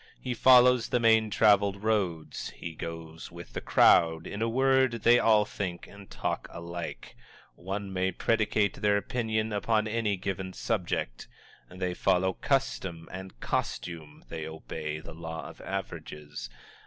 He follows the main traveled roads, he goes with the crowd. In a word, they all think and talk alike one may predicate their opinion upon any given subject. They follow custom and costume, they obey the Law of Averages.